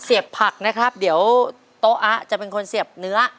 เสียบผักนะครับเดี๋ยวโต๊ะอะจะเป็นคนเสียบเนื้อ